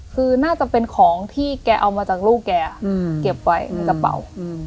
คือน่าจะเป็นของที่แกเอามาจากลูกแกเก็บไว้ในกระเป๋า